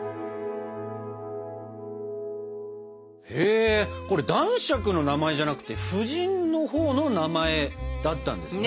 へえこれ男爵の名前じゃなくて夫人のほうの名前だったんですね。ね